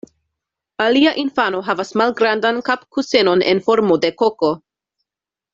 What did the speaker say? Alia infano havas malgrandan kapkusenon en formo de koko.